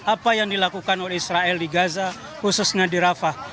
apa yang dilakukan oleh israel di gaza khususnya di rafah